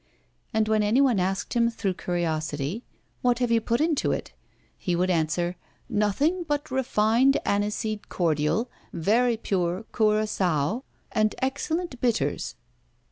And when anyone asked him through curiosity: "What have you put into it?" he would answer: "Nothing but refined aniseed cordial, very pure curaçoa, and excellent bitters."